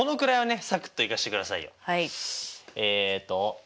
えと